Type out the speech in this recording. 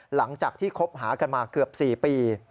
หลังจากที่คบหากันมาเกือบ๔ปี